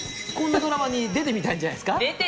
こんなドラマに出てみたいんじゃないですか？